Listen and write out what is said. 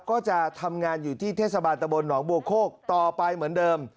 ก็จะทำงานอยู่ที่เทศบาลตะบลหนองบัวโคกต่อไปเหมือนเดิม